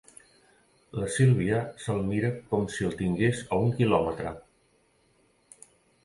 La Sílvia se'l mira com si el tingués a un quilòmetre.